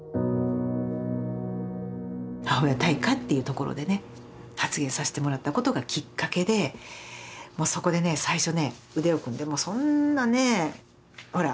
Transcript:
母親大会っていうところでね発言させてもらったことがきっかけでそこでね最初ね腕を組んでそんなねほら